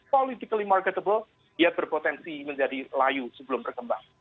politically marketable dia berpotensi menjadi layu sebelum berkembang